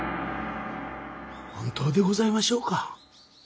本当でございましょうか？